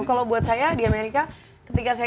kalau buat saya di amerika ketika saya